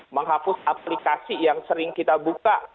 menghapus aplikasi yang sering kita buka